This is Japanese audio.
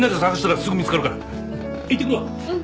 うん。